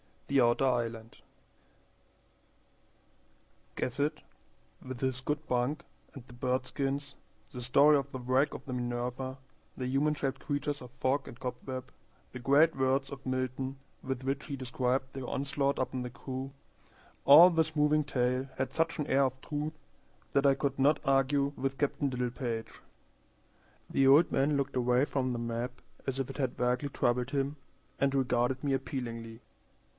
The Outer Island GAFFETT WITH HIS good bunk and the bird skins, the story of the wreck of the Minerva, the human shaped creatures of fog and cobweb, the great words of Milton with which he described their onslaught upon the crew, all this moving tale had such an air of truth that I could not argue with Captain Littlepage. The old man looked away from the map as if it had vaguely troubled him, and regarded me appealingly.